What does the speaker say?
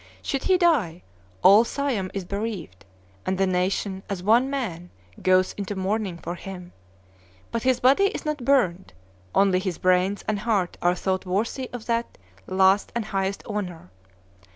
Should he die, all Siam is bereaved, and the nation, as one man, goes into mourning for him. But his body is not burned; only his brains and heart are thought worthy of that last and highest honor.